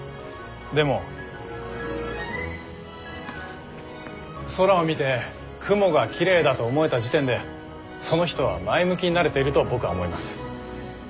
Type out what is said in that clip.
でも空を見て雲がきれいだと思えた時点でその人は前向きになれていると僕は思います。